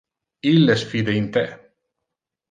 Illes fide in te.